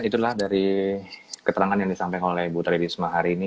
itulah dari keterangan yang disampaikan oleh bu tri risma hari ini